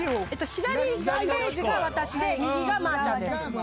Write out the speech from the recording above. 左ページが私で、右がまーちゃんです。